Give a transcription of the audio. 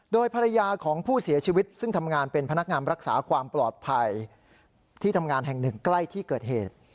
โดยภรรยาของผู้เสียชีวิตซึ่งทำงานเป็นพนักงานรักษาความปลอดภัยที่ทำงานแห่งหนึ่งใกล้ที่เกิดเหตุ